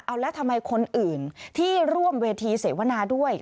เอาแล้วทำไมคนอื่นที่ร่วมเวทีเสวนาด้วย